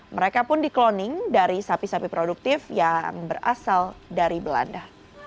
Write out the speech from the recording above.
mereka pun dikloning dari sapi sapi produktif yang berasal dari belanda